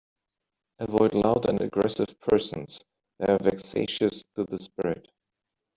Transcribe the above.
Avoid loud and aggressive persons; they are vexatious to the spirit.